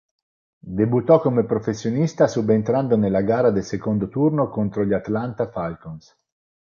Debuttò come professionista subentrando nella gara del secondo turno contro gli Atlanta Falcons.